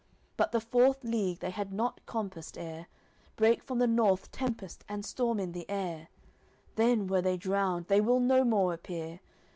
But the fourth league they had not compassed, ere Brake from the North tempest and storm in the air; Then were they drowned, they will no more appear.